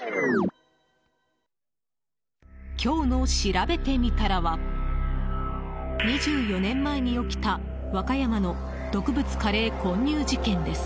今日のしらべてみたらは２４年前に起きた和歌山の毒物カレー混入事件です。